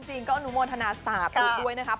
จริงก็อนุโมทนาสาธุด้วยนะครับ